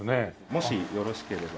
もしよろしければ。